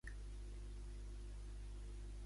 Què pot fer el president actual únicament?